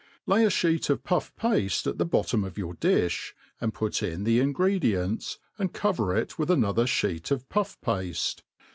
Lay a (beet of puiF pafte at the bottom of your difli, and put in the ingredi > ents, and cover it with another (heet of ptifF pafte.